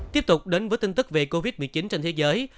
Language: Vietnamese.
tiếp tục đến với tin tức về covid một mươi chín trên thế giới